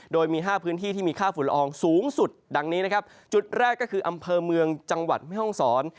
โดยมี๕พื้นที่ที่มีค่าฝุ่นละอองสูงสุดดังนี้นะครับจุดแรกก็คืออำเภอเมืองจังหวัดแม่ห้องศร